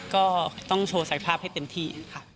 ก็ต้องโชว์สภาพให้เต็มที่